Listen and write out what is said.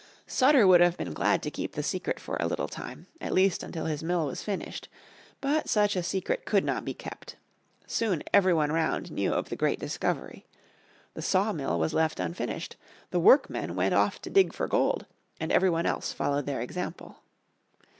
Sutter would have been glad to keep the secret for a little time, at least until his mill was finished. But such a secret could not be kept. Soon every one round knew of the great discovery. The sawmill was left unfinished, the workmen went off to dig for gold, and everyone else followed their example.